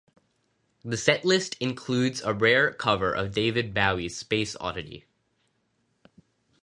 The setlist includes a rare cover of David Bowie's "Space Oddity".